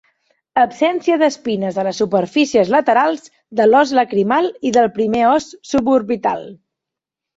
Absència d'espines a les superfícies laterals de l'os lacrimal i del primer os suborbital.